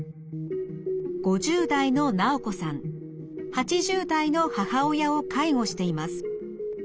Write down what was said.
８０代の母親を介護しています。